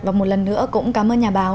và một lần nữa cũng cảm ơn nhà báo